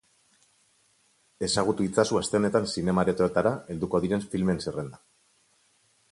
Ezagutu itzazu aste honetan zinema-aretoetara helduko diren filmen zerrenda.